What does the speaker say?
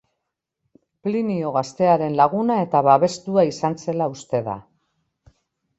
Plinio gaztearen laguna eta babestua izan zela uste da.